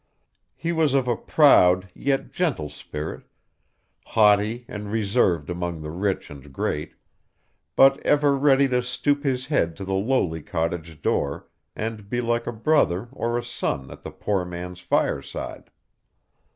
He was of a proud, yet gentle spirit haughty and reserved among the rich and great; but ever ready to stoop his head to the lowly cottage door, and be like a brother or a son at the poor man's fireside.